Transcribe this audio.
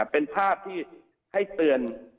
เป็นภาพที่ให้เตือน